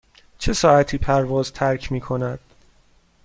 چه ساعتی پرواز ترک می کند؟